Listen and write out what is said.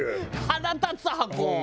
腹立つ箱。